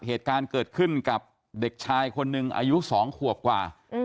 เหตุการณ์เกิดขึ้นกับเด็กชายคนหนึ่งอายุ๒ขวบกว่า